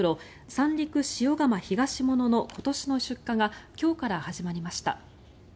三陸塩釜ひがしものの今年の出荷が今日から始まりました。